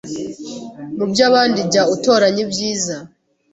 Mu by’abandi jya utoranya ibyiza